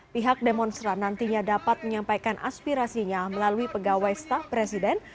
pihak demonstran nantinya dapat menyampaikan aspirasinya melalui pegawai staf presiden